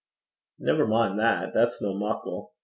'Never min' that. That's no muckle.